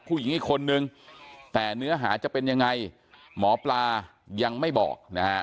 ผู้หญิงอีกคนนึงแต่เนื้อหาจะเป็นยังไงหมอปลายังไม่บอกนะฮะ